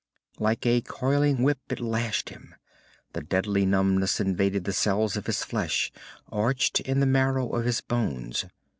Like a coiling whip it lashed him. The deadly numbness invaded the cells of his flesh, ached in the marrow of his bones.